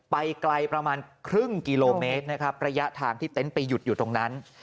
ไปไกลประมาณครึ่งกิโลเมตรนะครับระยะทางที่เต็นต์ไปหยุดอยู่ตรงนั้น